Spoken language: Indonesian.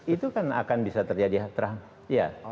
itu kan akan bisa terjadi terang